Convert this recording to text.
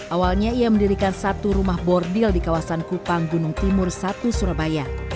awalnya ia mendirikan satu rumah bordil di kawasan kupang gunung timur satu surabaya